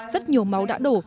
rất nhiều máu đã đổ